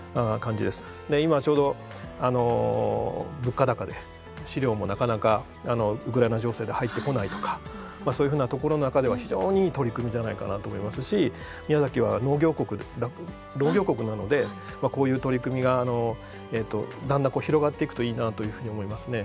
今ちょうど物価高で飼料もなかなかウクライナ情勢で入ってこないとかそういうふうなところの中では非常にいい取り組みじゃないかなと思いますし宮崎は農業国なのでこういう取り組みがだんだん広がっていくといいなというふうに思いますね。